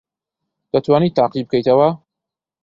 دەتوانیت تاقی بکەیتەوە؟